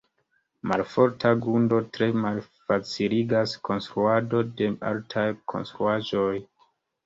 Malforta grundo tre malfaciligas konstruadon de altaj konstruaĵoj.